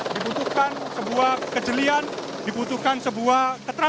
dibutuhkan sebuah kejelian dibutuhkan sebuah keterangan